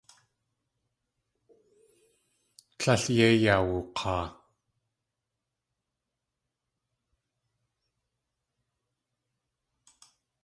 Tlél yéi yawuk̲aa.